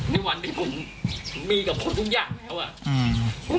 ในวันที่ผมมีกับคนทุกอย่างแล้วอ่ะ